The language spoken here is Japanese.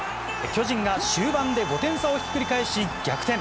巨人が終盤で５点差をひっくり返し逆転。